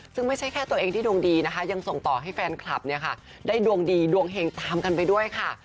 ซึ่งไม่ใช่แค่ตัวเองที่ดวงดีนะคะยังส่งต่อให้แฟนคลับเนี่ยค่ะได้ดวงดีดวงเฮงตามกันไปด้วยค่ะ